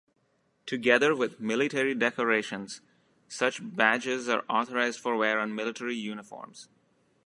Together with military decorations, such badges are authorized for wear on military uniforms.